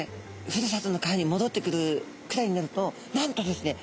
ふるさとの川にもどってくるくらいになるとなんとですね